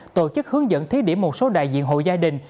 tổ chức hướng dẫn thí điểm một số đại diện hội gia đình